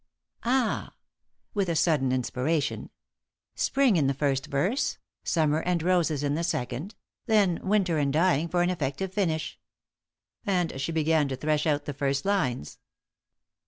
Ah!" with a sudden inspiration. "Spring in the first verse, summer and roses in the second, then winter and dying for an effective finish." And she began to thresh out the first lines.